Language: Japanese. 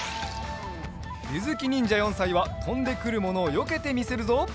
ゆずきにんじゃ４さいはとんでくるものをよけてみせるぞ。